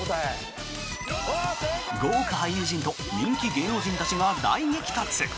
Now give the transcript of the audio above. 豪華俳優陣と人気芸能人たちが大激突！